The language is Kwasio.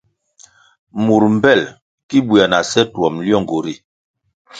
Mur mpel ki bwea na seh twom lyongu ri.